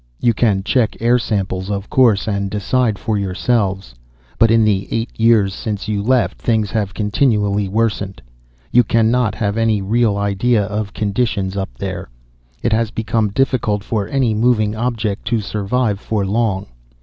You can check air samples, of course, and decide for yourselves. But in the eight years since you left, things have continually worsened. You cannot have any real idea of conditions up there. It has become difficult for any moving object to survive for long.